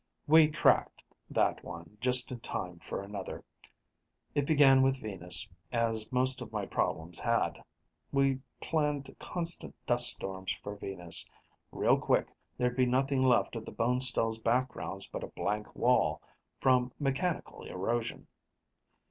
We cracked that one, just in time for another. It began with Venus, as most of my problems had. We planned constant dust storms for Venus. Real quick, there'd be nothing left of the Bonestell's backgrounds but a blank wall, from mechanical erosion.